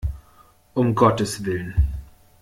Um Gottes Willen!